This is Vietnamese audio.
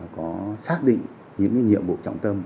có xác định những nhiệm vụ trọng tâm